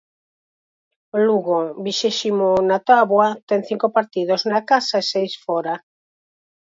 O Lugo, vixésimo na táboa, ten cinco partidos na casa e seis fóra.